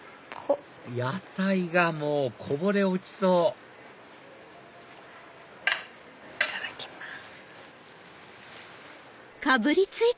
野菜がもうこぼれ落ちそういただきます。